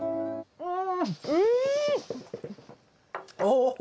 うん。